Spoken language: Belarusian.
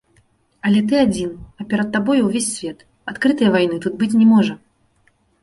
Але ты адзін, а перад табою ўвесь свет, адкрытай вайны тут быць не можа.